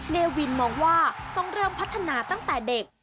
เนวินมองว่าต้องเริ่มพัฒนาตั้งแต่เด็ก